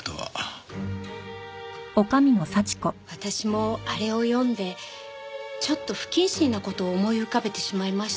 私もあれを読んでちょっと不謹慎な事を思い浮かべてしまいました。